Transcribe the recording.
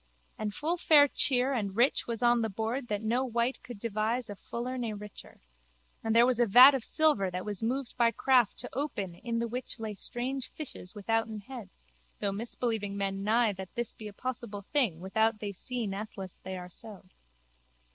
And full fair cheer and rich was on the board that no wight could devise a fuller ne richer. And there was a vat of silver that was moved by craft to open in the which lay strange fishes withouten heads though misbelieving men nie that this be possible thing without they see it natheless they are so.